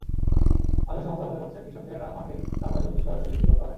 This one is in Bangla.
আয়োজক সংস্থা মনে করছে, কৃষকেরা মাঠের তাজা সবজি সরাসরি বিক্রি করতে পারবেন।